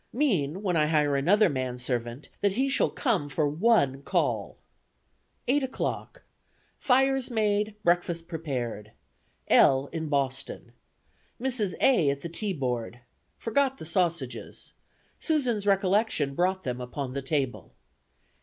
Mean, when I hire another manservant, that he shall come for one call. "Eight o'clock. Fires made, breakfast prepared. L in Boston. Mrs. A. at the tea board. Forgot the sausages. Susan's recollection brought them upon the table.